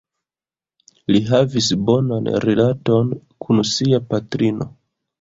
Li havis bonan rilaton kun sia patrino.